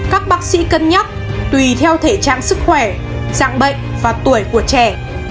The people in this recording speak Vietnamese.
các bác sĩ cân nhắc tùy theo thể trạng sức khỏe dạng bệnh và tuổi của trẻ